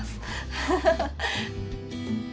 ハハハッ！